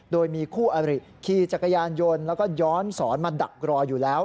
โดยมีคู่อริขี่จักรยานยนต์แล้วก็ย้อนสอนมาดักรออยู่แล้ว